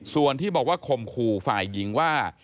ส่วนที่บอกว่าข่มขู่ฝ่ายหญิงว่า